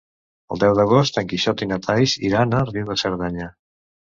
El deu d'agost en Quixot i na Thaís iran a Riu de Cerdanya.